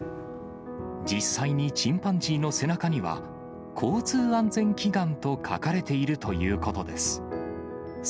実際にチンパンジーの背中には、交通安全祈願と書かれているということです。